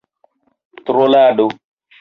trolado